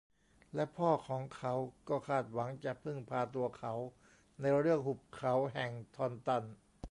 และพ่อของเขาก็คาดหวังจะพึ่งพาตัวเขาในเรื่องหุบเขาแห่งทอนตัน